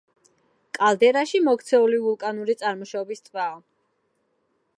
კალდერაში მოქცეული ვულკანური წარმოშობის ტბაა.